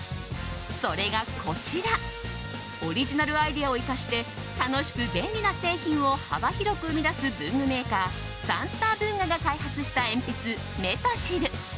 それがこちらオリジナルアイデアを生かして楽しく便利な製品を幅広く生み出す文具メーカーサンスター文具が開発した鉛筆メタシル。